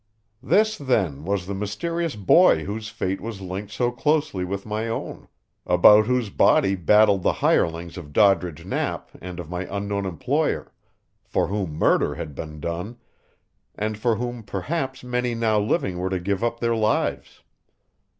This, then, was the mysterious boy whose fate was linked so closely with my own; about whose body battled the hirelings of Doddridge Knapp and of my unknown employer; for whom murder had been done, and for whom perhaps many now living were to give up their lives.